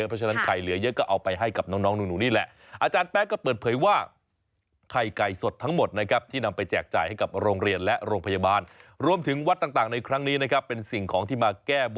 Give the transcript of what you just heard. เรียกได้ว่ามาแก้บ่นกันเยอะ